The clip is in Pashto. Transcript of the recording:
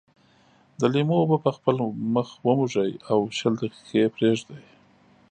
د لیمو اوبه په خپل مخ وموښئ او شل دقيقې یې پرېږدئ.